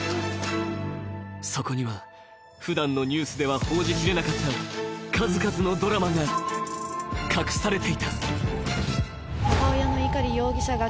そこにはふだんのニュースでは報じきれなかった数々のドラマが隠されていた。